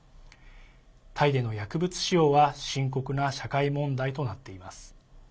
タイでの薬物使用は深刻な社会問題となっています。